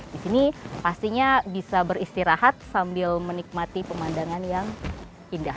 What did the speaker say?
di sini pastinya bisa beristirahat sambil menikmati pemandangan yang indah